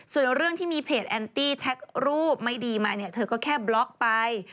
ส่วนเรื่องที่มีเพจแอนตี้แท็กรูปไม่ดีมาเนี่ยเธอก็แค่บล็อกไป